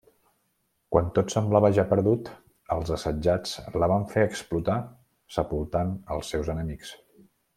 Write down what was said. Quan tot semblava ja perdut, els assetjats la van fer explotar sepultant els seus enemics.